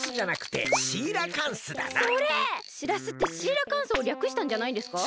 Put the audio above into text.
しらすってシーラカンスをりゃくしたんじゃないんですか？